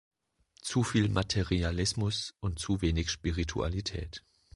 Zu viel Materialismus und zu wenig Spiritualität.